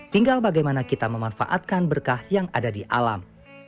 tinggal bagaimana kita memanfaatkan berkah yang ada di alam